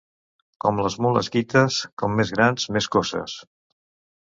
Com les mules guites, com més grans, més coces.